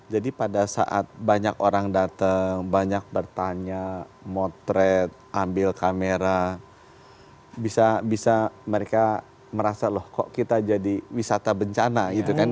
jadi pada saat banyak orang datang banyak bertanya motret ambil kamera bisa mereka merasa loh kok kita jadi wisata bencana gitu kan